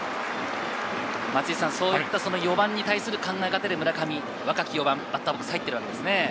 そういった４番に対する考え方で、村上若き４番、バッターボックスに入っているわけですね。